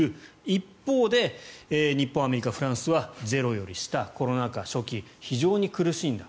一方で日本、アメリカ、フランスはゼロより下、コロナ禍初期非常に苦しんだ。